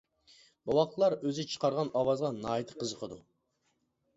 بوۋاقلار ئۆزى چىقارغان ئاۋازغا ناھايىتى قىزىقىدۇ.